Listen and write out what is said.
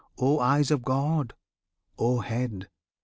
O Eyes of God! O Head!